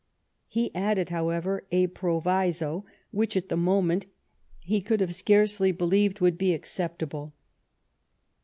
He added, however, a proviso which, at the moment, he could have scarcely believed would be accept able.